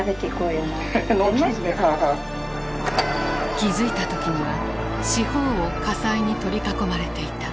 気付いた時には四方を火災に取り囲まれていた。